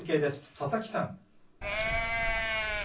佐々木さん。